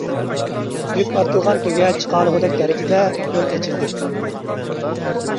يۈك ئارتىلغان تۆگە چىقالىغۇدەك دەرىجىدە يول ئېچىلدى.